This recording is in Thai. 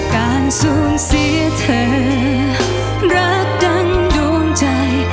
การสูญเสียเธอรักดังดวงใจ